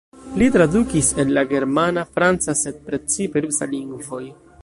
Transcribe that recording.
Li tradukis el la germana, franca, sed precipe rusa lingvoj.